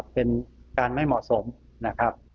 เป็นการไม่เหมาะสมนะครับ